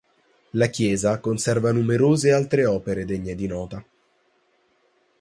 La chiesa conserva numerose altre opere degne di nota.